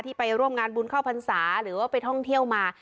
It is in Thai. ไปร่วมงานบุญเข้าพรรษาหรือว่าไปท่องเที่ยวมา